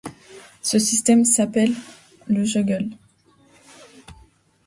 Ce système s'appelle le juggle.